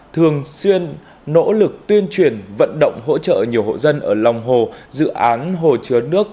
thường xuyên nỗ lực tuyên truyền vận động hỗ trợ nhiều hộ dân ở lòng hồ dự án hồ chứa nước